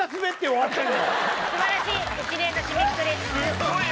素晴らしい一年の締めくくり。